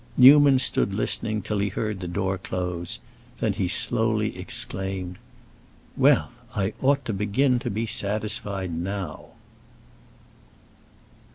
Newman stood listening till he heard the door close; then he slowly exclaimed, "Well, I ought to begin to be satisfied now!"